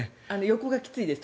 横がきついです。